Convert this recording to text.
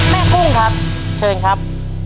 กุ้งครับเชิญครับ